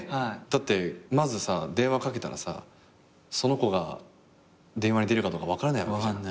だってまずさ電話かけたらその子が電話に出るかどうか分からないわけじゃん。